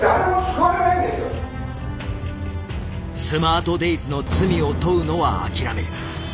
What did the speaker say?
スマートデイズの罪を問うのは諦める。